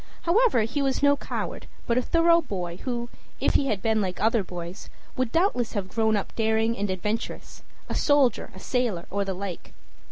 However, he was no coward, but a thorough boy, who, if he had been like other boys, would doubtless have grown up daring and adventurous a soldier, a sailor, or the like.